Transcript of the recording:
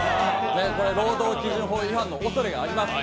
労働基準法違反のおそれがあります。